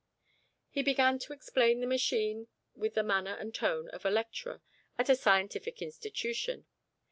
He began to explain the machine with the manner and tone of a lecturer at a scientific institution.